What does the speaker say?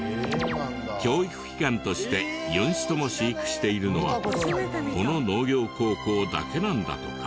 教育機関として４種とも飼育しているのはこの農業高校だけなんだとか。